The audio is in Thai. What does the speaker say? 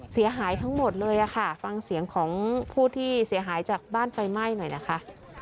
เสียหายทั้งหมดเลยค่ะฟังเสียงของผู้ที่เสียหายจากบ้านไฟไหม้หน่อยนะคะ